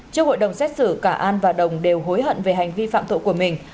trước hội đồng xét xử cả an và đồng đều hối hận về hành vi phạm tội của mình